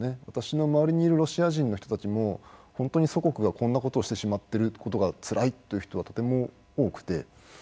私の周りにいるロシア人の人たちも本当に祖国がこんなことをしてしまってることがつらいという人はとても多くて。